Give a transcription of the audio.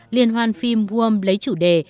liên hoan phim gồm lấy chủ đề